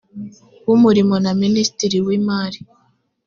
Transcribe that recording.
n umurimo na minisitiri w imari